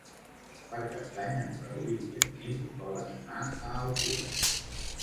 Per Cap d'Any en Rauric i en Nil volen anar a Altura.